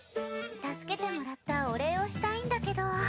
助けてもらったお礼をしたいんだけど。